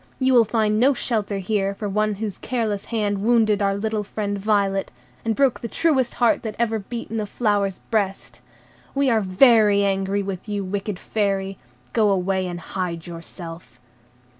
You will find no shelter here for one whose careless hand wounded our little friend Violet, and broke the truest heart that ever beat in a flower's breast. We are very angry with you, wicked Fairy; go away and hide yourself."